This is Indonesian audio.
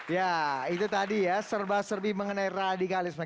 ya itu tadi ya serba serbi mengenai radikalisme